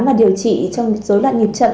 và điều trị trong số loại nhiệp chậm